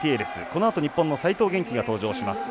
このあと日本の齋藤元希が登場します。